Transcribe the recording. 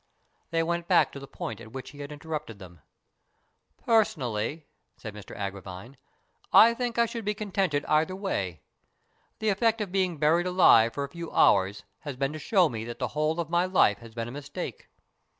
They went back to the point at which he had interrupted them. " Personally," said Mr Agra vine, " I think I should be contented either way. The effect of being buried alive for a few hours has been to show me that the whole of my life has been a mistake.